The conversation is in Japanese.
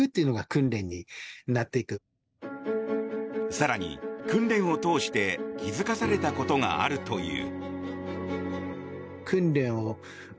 更に訓練を通して気づかされたことがあるという。